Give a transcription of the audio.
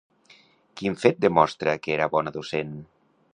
Quin fet demostra que era bona docent?